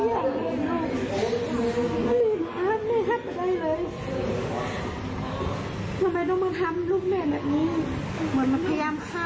เขาจะทำในร่างกายแล้วร่างกายไม่เปลี่ยนอะไรอ่ะ